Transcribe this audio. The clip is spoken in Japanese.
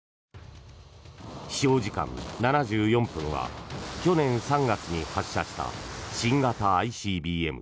飛翔時間７４分は去年３月に発射した新型ＩＣＢＭ